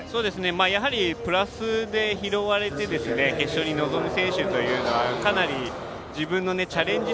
やはり、プラスで拾われて決勝に臨む選手というのはかなり自分のチャレンジ